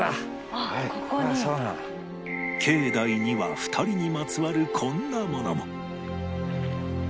境内には２人にまつわるこんなものも